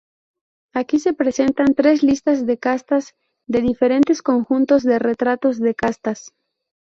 Aquí se presentan tres listas de castas de diferentes conjuntos de retratos de castas.